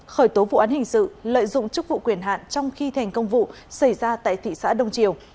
khởi tố vụ án hình sự lợi dụng chức vụ quyền hạn trong khi thành công vụ xảy ra tại thị xã đông triều